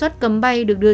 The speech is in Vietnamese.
và các loại errata